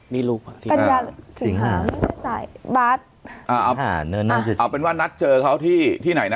มีลูกมีลูกบาทเอาเป็นว่านัดเจอเขาที่ที่ไหนนะ